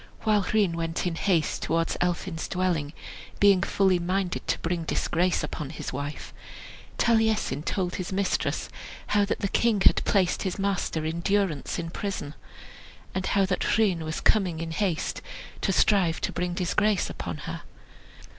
While Rhun went in haste towards Elphin's dwelling, being fully minded to bring disgrace upon his wife, Taliesin told his mistress how that the king had placed his master in durance in prison, and how that Rhun was coming in haste to strive to bring disgrace upon her.